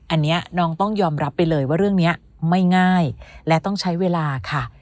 อันนี้น้องต้องยอมรับไปเลยว่าเรื่องนี้ไม่ง่ายและต้องใช้เวลาค่ะ